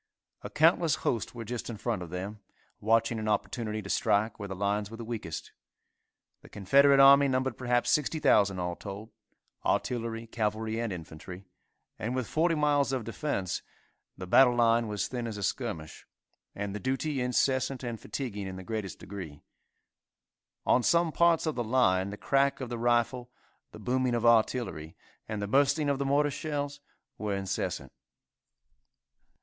A countless host were just in front of them, watching an opportunity to strike where the lines were the weakest. The Confederate army numbered perhaps 60,000 all told artillery, cavalry and infantry, and with 40 miles of defence, the battle line was thin as a skirmish, and the duty incessant and fatiguing in the greatest degree. On some parts of the line the crack of the rifle, the booming of artillery, and the bursting of the mortar shells were incessant.